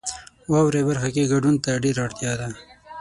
واورئ برخه کې ګډون ته ډیره اړتیا ده.